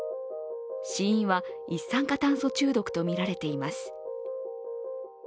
死因は一酸化炭素中毒とみられています。